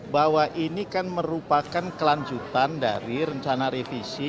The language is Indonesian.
bahwa ini kan merupakan kelanjutan dari rencana revisi